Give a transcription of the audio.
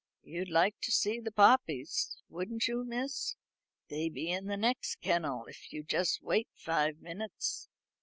You'd like to see the poppies, wouldn't you, miss? They be in the next kennel, if you'll just wait five minutes."